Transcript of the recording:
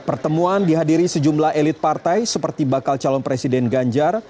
pertemuan dihadiri sejumlah elit partai seperti bakal calon presiden ganjar